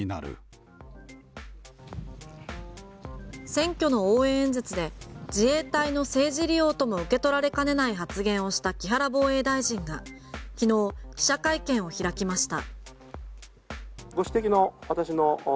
選挙の応援演説で自衛隊の政治利用とも受け取られかねない発言をした木原防衛大臣が昨日、記者会見を開きました。